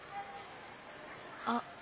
あっ。